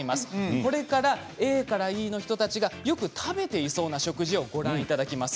これからＡからＥの人たちがよく食べていそうな食事をご覧頂きます。